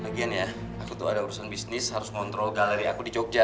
bagian ya aku tuh ada urusan bisnis harus ngontrol galeri aku di jogja